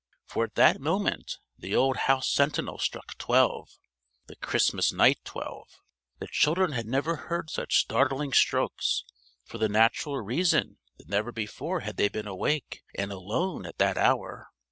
For at that moment the old house sentinel struck twelve the Christmas Night Twelve. The children had never heard such startling strokes for the natural reason that never before had they been awake and alone at that hour.